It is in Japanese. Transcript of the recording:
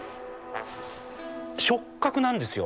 触角なんですよ。